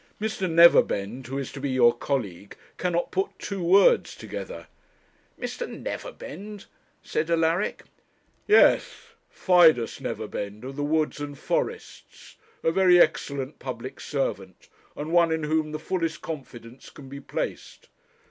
Mr. Neverbend, who is to be your colleague, cannot put two words together.' 'Mr. Neverbend!' said Alaric. 'Yes, Fidus Neverbend, of the Woods and Forests; a very excellent public servant, and one in whom the fullest confidence can be placed.